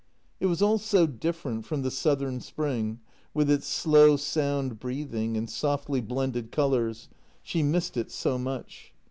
It was all so different from the southern spring, with its slow, sound breathing and softly blended colours — she missed it so much.